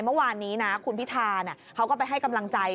เมื่อวานนี้นะคุณพิธาเขาก็ไปให้กำลังใจ